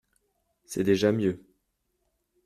C’est déjà mieux